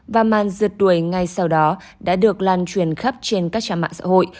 và màn rượt đuổi ngay sau đó đã được lan truyền khắp trên các trang mạng xã hội